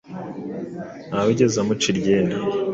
nta wigeze amuca iryera,